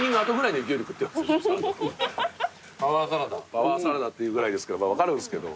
パワーサラダっていうぐらい分かるんすけど。